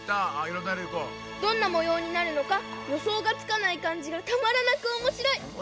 どんなもようになるのかよそうがつかないかんじがたまらなくおもしろい！